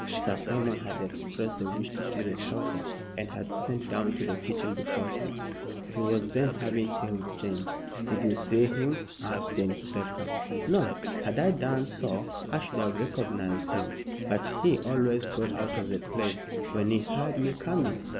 Sir Simon had expressed the wish to see the soldier, and had sent down to the kitchen before six. "He was then having tea with Jane." "Did you see him?" asked the inspector. "No. Had I done so I should have recognized him. But he always got out of the place when he heard me coming.